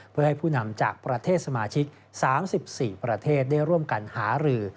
เพื่อให้ผู้นำจากประเทศสมาชิก๓๔ประเทศได้ร่วมกันหารือ